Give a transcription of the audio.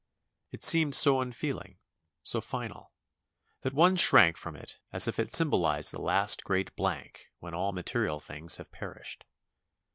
It seemed so un feeling, so final, that one shrank from it as if it sym boUzed the last great blank when all material things have perished.